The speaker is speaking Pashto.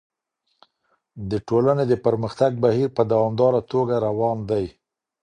د ټولني د پرمختګ بهير په دوامداره توګه روان دی.